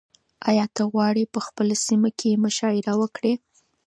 ایا ته غواړې په خپله سیمه کې مشاعره وکړې؟